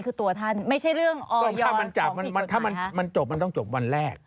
คือตัวท่านไม่ใช่เรื่องอยอดพี่กดไหนฮะเมื่อมันจับถ้ามันต้องจบวันแรก